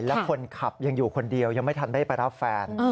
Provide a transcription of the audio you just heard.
และคนขับยังอยู่คนเดียวยังไม่ทันได้ไปรับแฟน